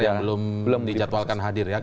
yang belum dijadwalkan hadir ya